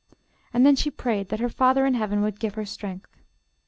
And then she prayed that her Father in Heaven would give her strength.